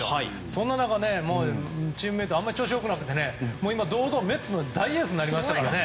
そんな中、チームメートあまり調子が良くなくて今、堂々とメッツの大エースになりましたから。